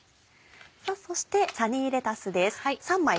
さぁそしてサニーレタスです。